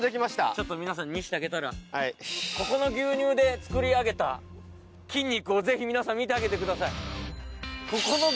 ちょっと皆さんに見せてあげたらここの牛乳で作り上げた筋肉をぜひ皆さん見てあげてください